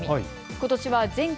ことしは全国